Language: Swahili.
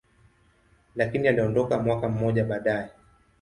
lakini aliondoka mwaka mmoja baadaye.